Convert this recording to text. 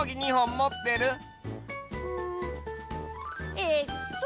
えっと